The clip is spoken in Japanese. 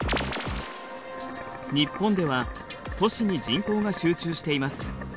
日本では都市に人口が集中しています。